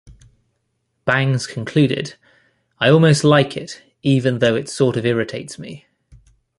Bangs concluded: I almost like it, even though it sort of irritates me.